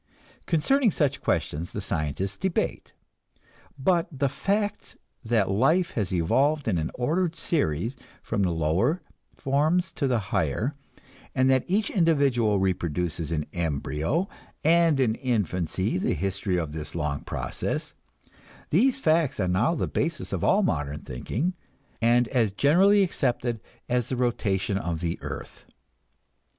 Concerning such questions the scientists debate. But the fact that life has evolved in an ordered series from the lower forms to the higher, and that each individual reproduces in embryo and in infancy the history of this long process these facts are now the basis of all modern thinking, and as generally accepted as the rotation of the earth.